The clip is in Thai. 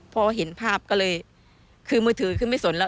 พอเห็นภาพก็เลยคือมือถือคือไม่สนแล้ว